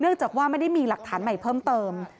จากว่าไม่ได้มีหลักฐานใหม่เพิ่มเติม